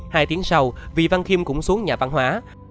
hai tiếng sau vị văn kim cũng xuống nhà văn hóa